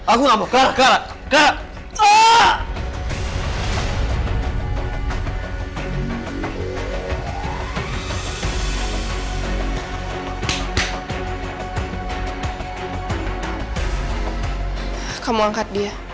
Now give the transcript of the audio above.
aku gak mau clara clara